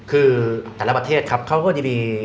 คือแต่ละประเทศครับเขาก็จะมี